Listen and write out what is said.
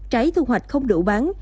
trái thu hoạch không đủ bán